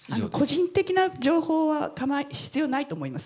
個人的な情報は必要ないと思います。